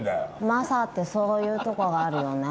マサってそういうとこがあるよね。